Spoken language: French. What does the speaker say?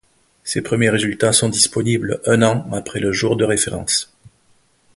Ses premiers résultats sont disponibles un an après le jour de référence.